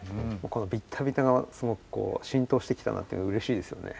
このビッタビタがすごくしんとうしてきたなっていうのうれしいですよね。